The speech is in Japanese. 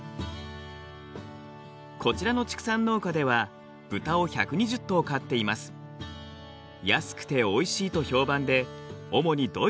こちらの畜産農家では豚を１２０頭飼っています。安くておいしいと評判で主にドイツに輸出。